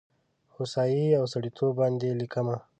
هوسايي او سړیتوب باندې لیکمه